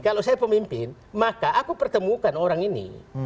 kalau saya pemimpin maka aku pertemukan orang ini